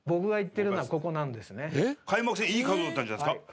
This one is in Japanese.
開幕戦いいカードだったんじゃないですか？